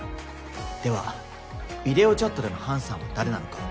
ではビデオチャットでのハンさんは誰なのか？